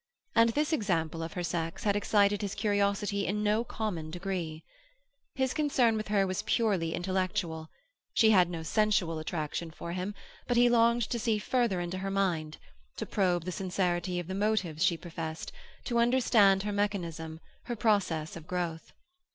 And this example of her sex had excited his curiosity in no common degree. His concern with her was purely intellectual; she had no sensual attraction for him, but he longed to see further into her mind, to probe the sincerity of the motives she professed, to understand her mechanism, her process of growth.